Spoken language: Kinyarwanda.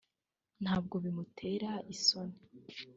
ntabwo bimutera isoni